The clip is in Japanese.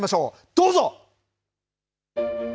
どうぞ。